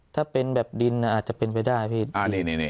ถ้าเป็นแบบดินอ่ะอาจจะเป็นไปได้พี่อ่านี่นี่นี่